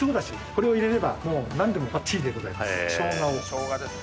これを入れれば何でもバッチリでございます。